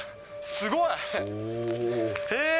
すごい！へー。